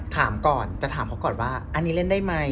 ถามก่อนจะถามเขาก่อนว่าอันนี้เล่นได้ไหม